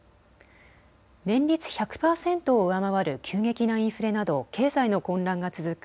年率１００％を上回る急激なインフレなどを経済の混乱が続く